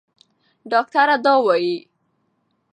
ډاکټره دا وايي.